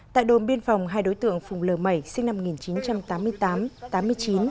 tại đồn biên phòng hai đối tượng phùng l mẩy sinh năm một nghìn chín trăm tám mươi tám tám mươi chín